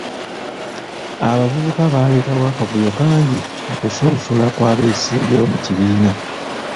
Abavubuka baaleetawo akavuyo kangi mu kusunsula kw'abeesimbyewo mu kibiina.